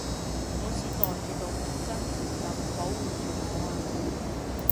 好似袋住道護身符噉保護住我啊